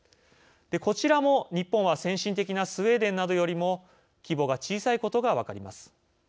こちらも、日本は先進的なスウェーデンなどよりも規模が小さいことが分かります。